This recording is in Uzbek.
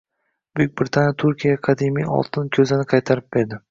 Buyuk Britaniya Turkiyaga qadimiy oltin ko‘zani qaytarib berding